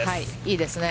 いいですね。